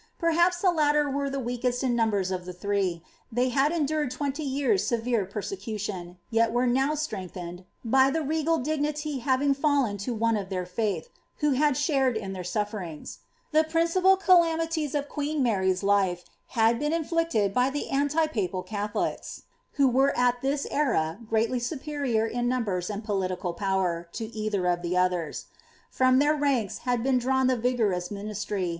Perhaps the latut were the wtakesi in numbers of ihe three ; ihey had enduied Iweitff^'l Tmrs' severe pE^rseciition, yet were now strengthened, by the regnl dij^ni^'s having fatlen to one oT their faith, who bad shared in ihi ir »iilfi>iingBrl The principal calamities of queen Mary's hfe hnd been iniliried hy ihl4 Uti papul Catholics, who were at thb era grenily superior in niirn' ' ftBd poHiical power to either of the others. From Ihi^ir rank* had I dmwn the vigorous ministrj